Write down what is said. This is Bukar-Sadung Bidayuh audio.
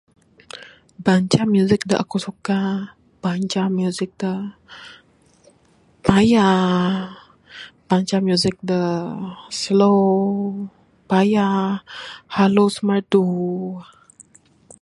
Banca da music aku suka banca music da paya banca music da slow, paya halus merdu.